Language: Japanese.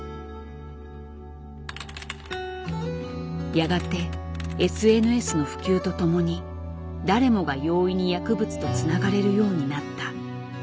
やがてＳＮＳの普及とともに誰もが容易に薬物とつながれるようになった。